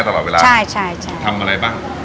ดูแม่ต่อเวลาทำอะไรบ้าง